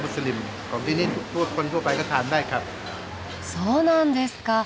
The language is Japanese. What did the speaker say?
そうなんですか。